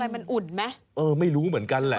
มันอุ่นไหมเออไม่รู้เหมือนกันแหละ